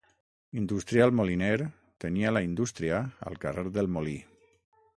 Industrial moliner, tenia la indústria al carrer del Molí.